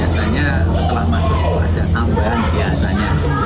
biasanya setelah masuk sekolah ada tambahan